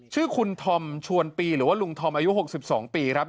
ชื่อคุณธอมชวนปีหรือว่าลุงธอมอายุ๖๒ปีครับ